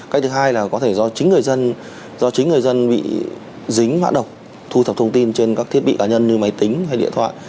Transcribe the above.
cách thứ hai là có thể do chính người dân bị dính mã độc thu thập thông tin trên các thiết bị cá nhân như máy tính hay điện thoại